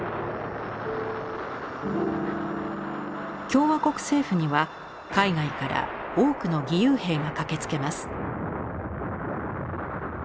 共和国政府には海外から多くの義勇兵が駆けつけます。